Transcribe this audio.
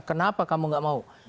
kenapa kamu nggak mau